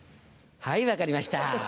はい分かりました。